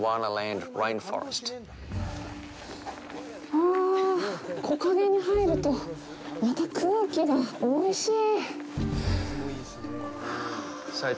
あ、木陰に入るとまた空気がおいしい。